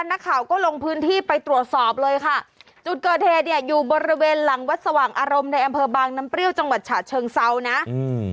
นักข่าวก็ลงพื้นที่ไปตรวจสอบเลยค่ะจุดเกิดเหตุเนี่ยอยู่บริเวณหลังวัดสว่างอารมณ์ในอำเภอบางน้ำเปรี้ยวจังหวัดฉะเชิงเซานะอืม